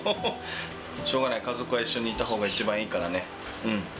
しょうがない、家族は一緒にいたほうが一番いいからね。